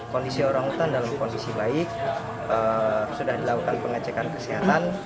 kondisi orangutan dalam kondisi baik sudah dilakukan pengecekan kesehatan